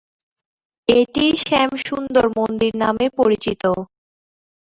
এটিই 'শ্যামসুন্দর মন্দির' নামে পরিচিত।